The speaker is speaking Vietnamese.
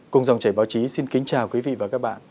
cùng dòng chảy báo chí xin kính chào quý vị và các bạn